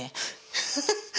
フフフフ。